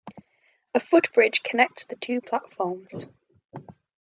A footbridge connects the two platforms.